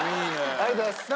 ありがとうございます！